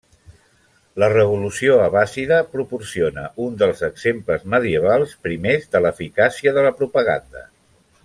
La revolució abbàssida proporciona un dels exemples medievals primers de l'eficàcia de la propaganda.